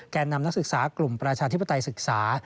นำนักศึกษากลุ่มประชาธิปไตยศึกษา